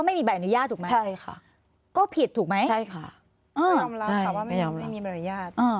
ไม่ยอมรับค่ะว่าไม่มีใบอนุญาต